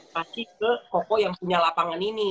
masih ke koko yang punya lapangan ini